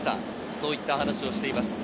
そういった話をしています。